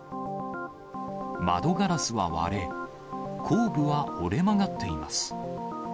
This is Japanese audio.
窓ガラスは割れ、後部は折れ曲がっています。